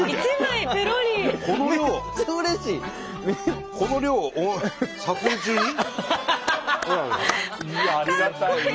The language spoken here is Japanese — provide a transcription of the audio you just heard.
いやありがたい。